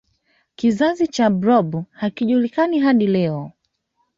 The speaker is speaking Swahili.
kizazi cha blob hakijulikani hadi leo